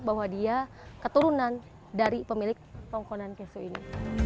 bahwa dia keturunan dari pemilik tongkonan kesu ini